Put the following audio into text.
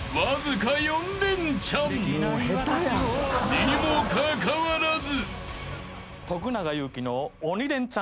［にもかかわらず］